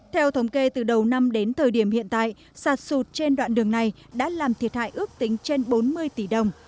theo thống kê từ đầu năm đến thời điểm hiện tại sạt sụt trên đoạn đường này đã làm thiệt hại ước tính trên bốn mươi tỷ đồng